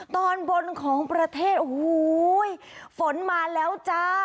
ตอนบนของประเทศโอ้โหฝนมาแล้วจ้า